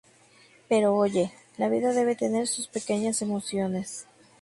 Pero oye, la vida debe tener sus pequeñas emociones!